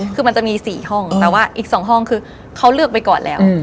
คือมันจะมี๔ห้องแต่ว่าอีก๒ห้องคือเขาเลือกไปก่อนแล้ว